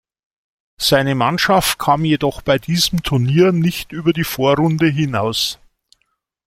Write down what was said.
Seine Mannschaft kam jedoch bei diesem Turnier nicht über die Vorrunde hinaus.